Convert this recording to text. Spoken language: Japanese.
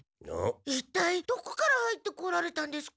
いったいどこから入ってこられたんですか？